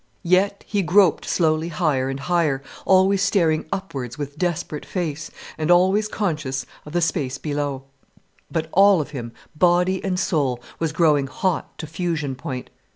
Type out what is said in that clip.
Yet he groped slowly higher and higher, always staring upwards with desperate face, and always conscious of the space below. But all of him, body and soul, was growing hot to fusion point.